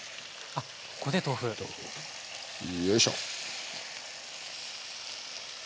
よいしょ。